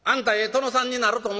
殿さんになると思うわ。